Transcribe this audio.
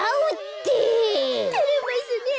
てれますねえ。